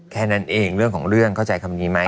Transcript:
แค่นั้นเองเรื่องของเรื่องเข้าใจคำนี้ไหม